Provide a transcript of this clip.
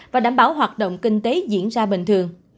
và đảm bảo hoạt động kinh tế diễn ra bình thường